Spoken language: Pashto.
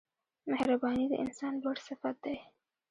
• مهرباني د انسان لوړ صفت دی.